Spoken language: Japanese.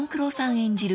演じる